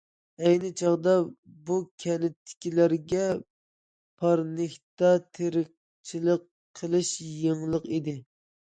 ئەينى چاغدا بۇ كەنتتىكىلەرگە پارنىكتا تېرىقچىلىق قىلىش يېڭىلىق ئىدى.